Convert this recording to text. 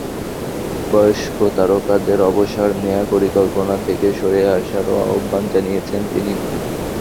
বয়স্ক তারকাদের অবসর নেওয়ার পরিকল্পনা থেকে সরে আসারও আহ্বান জানিয়েছেন তিনি।